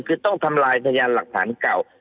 คือต้องทำลายพยานหลักฐานเก่า